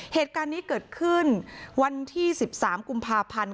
เหตุการณ์นี้เกิดขึ้นวันที่๑๓กุมภาพันธ์